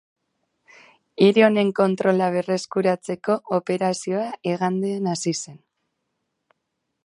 Hiri honen kontrola berreskuratzeko operazioa igandean hasi zen.